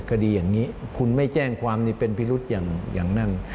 คดีอย่างนี้คุณไม่แจ้งความนี่เป็นพิรุษอย่างนั้น